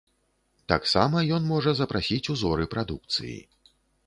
Таксама ён можа запрасіць узоры прадукцыі.